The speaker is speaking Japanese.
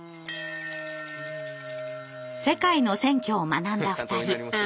世界の選挙を学んだ２人。